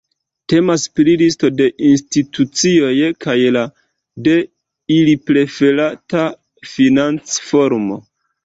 Temas pri listo de institucioj kaj la de ili preferata financformo.